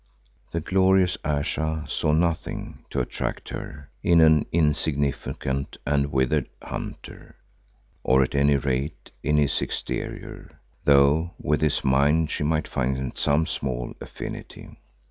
The glorious Ayesha saw nothing to attract her in an insignificant and withered hunter, or at any rate in his exterior, though with his mind she might find some small affinity.